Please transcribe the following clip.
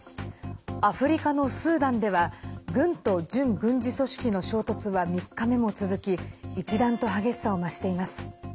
アフリカのスーダンでは軍と準軍事組織の衝突は３日目も続き一段と激しさを増しています。